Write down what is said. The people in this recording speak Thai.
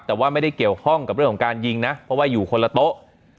แต่ว่าไม่ได้เกี่ยวข้องกับเรื่องของการยิงนะเพราะว่าอยู่คนละโต๊ะ